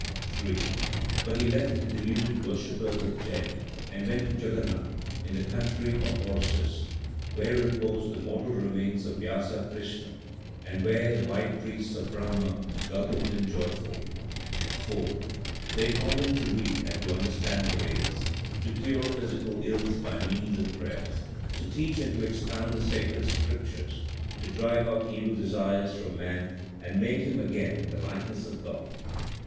3. But he left the deluded worshippers of Djaïne and went to Djagguernat, in the country of Orsis, where repose the mortal remains of Vyassa Krishna, and where the white priests of Brahma welcomed him joyfully. 4. They taught him to read and to understand the Vedas, to cure physical ills by means of prayers, to teach and to expound the sacred Scriptures, to drive out evil desires from man and make him again in the likeness of God.